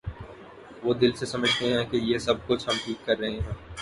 وہ دل سے سمجھتے ہیں کہ یہ سب کچھ ہم ٹھیک کر رہے ہیں۔